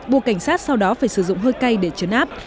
buộc cảnh sát sau đó phải sử dụng hơi cay để chấn áp